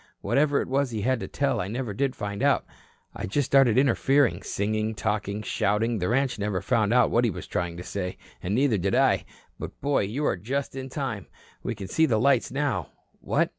Whatever it was he had to tell, I never did find out. I just started interfering, singing, talking, shouting. The ranch never found out what he was trying to say, and neither did I. But, boy, you're just in time. We can see the lights now. What?